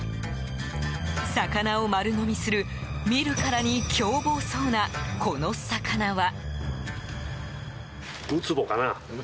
魚を丸飲みする、見るからに狂暴そうなこの魚は。